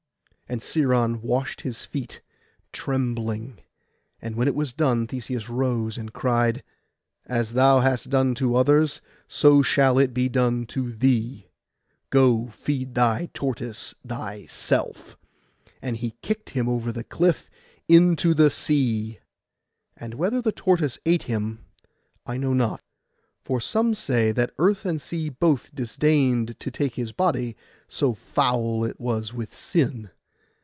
And Sciron washed his feet trembling; and when it was done, Theseus rose, and cried, 'As thou hast done to others, so shall it be done to thee. Go feed thy tortoise thyself;' and he kicked him over the cliff into the sea. And whether the tortoise ate him, I know not; for some say that earth and sea both disdained to take his body, so foul it was with sin.